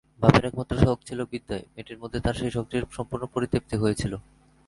বাপের একমাত্র শখ ছিল বিদ্যায়, মেয়েটির মধ্যে তাঁর সেই শখটির সম্পূর্ণ পরিতৃপ্তি হয়েছিল।